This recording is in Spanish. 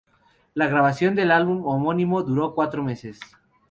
La grabación del álbum homónimo duró cuatro meses.